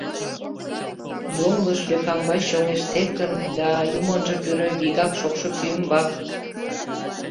Йоҥылыш лӧкамбач чоҥештет гын, да, Юмо ынже пӱрӧ, вигак — шокшо кӱ ӱмбак...